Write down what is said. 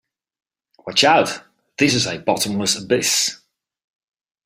Watch out, this is a bottomless abyss!